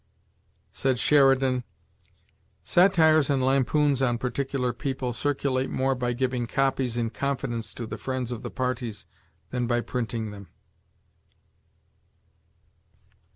Said Sheridan: "Satires and lampoons on particular people circulate more by giving copies in confidence to the friends of the parties than by printing them."